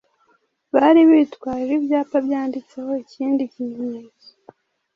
bari bitwaje ibyapa byanditeho Ikindi kimenyeto